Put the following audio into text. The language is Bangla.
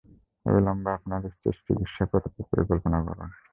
অবিলম্বে আপনার স্ত্রীর চিকিৎসা করাতে পরিকল্পনা করুন।